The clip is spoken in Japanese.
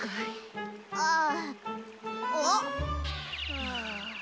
はあ。